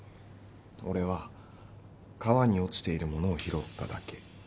俺は川に落ちているものを拾っただけ。